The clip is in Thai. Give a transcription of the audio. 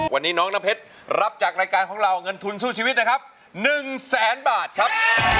วันนี้น้องน้ำเพชรรับจากรายการของเราเงินทุนสู้ชีวิตนะครับ๑แสนบาทครับ